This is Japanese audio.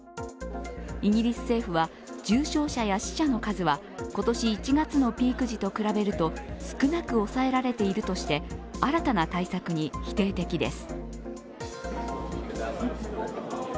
イギリス政府は重症者や死者の数は今年１月のピーク時と比べると少なく抑えられているとして新たな対策に否定的です。